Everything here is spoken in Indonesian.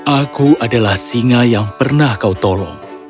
aku adalah singa yang pernah kau tolong